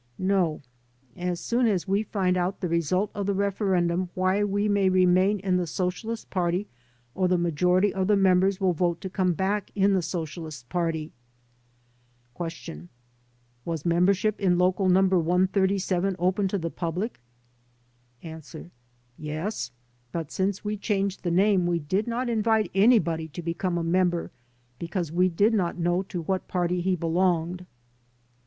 "No. ... As soon as we find out the result of the referendum why we may remain in the Socialist Party or the majority of the members will vote to come back in the Socialist Party." Q. "Was membership in local No. 137 open to the public?" A. "Yes, but since we changed the name we did not invite anybody to become a member because we did not know to what party he belonged."